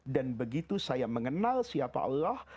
dan begitu saya mengenal siapa allah